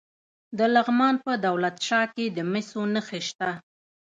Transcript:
د لغمان په دولت شاه کې د مسو نښې شته.